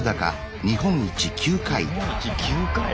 日本一９回！